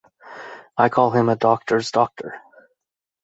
I call him a doctor's doctor.